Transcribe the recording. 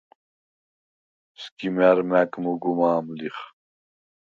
სგჷმა̈რ მა̈გ მუგუ მა̄მ ლიხ.